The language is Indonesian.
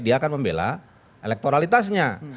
dia akan membela elektoralitasnya